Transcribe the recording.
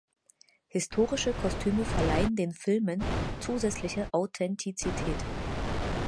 Historische Kostüme verleihen den Filmen zusätzliche Authentizität.